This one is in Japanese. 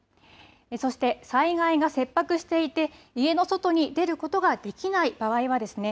そして災害が切迫していて家の外に出ることができない場合はですね